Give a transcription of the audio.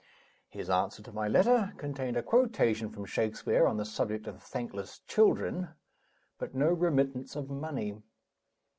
His answer to my letter contained a quotation from Shakespeare on the subject of thankless children, but no remittance of money.